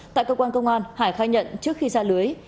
tại công an công an hải khai nhận trước khi ra lưới